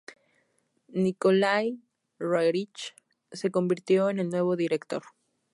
Nikolái Roerich se convirtió en el nuevo director.